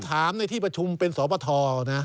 ถามในที่ประชุมเป็นสปทนะ